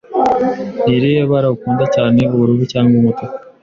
Ni irihe bara ukunda cyane, ubururu cyangwa umutuku?